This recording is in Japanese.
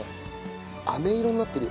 あめ色になってるよ。